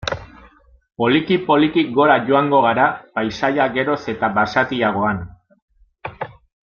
Poliki-poliki gora joango gara, paisaia geroz eta basatiagoan.